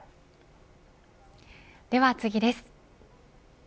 では、次です。